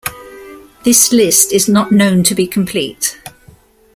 This list is not known to be complete.